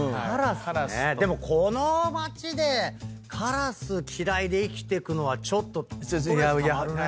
でもこの街でカラス嫌いで生きてくのはちょっとストレスたまるね。